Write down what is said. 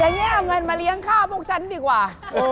อย่างนี้เอามันมาเลี้ยงข้ามพวกฉันดีกว่า